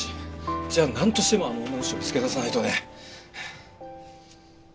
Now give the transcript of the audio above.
じゃあなんとしてもあの女の人を見つけ出さないとね。